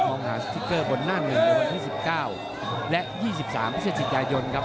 มองหาสติ๊กเกอร์บนหน้าหนึ่งในวันที่๑๙และ๒๓พฤศจิกายนครับ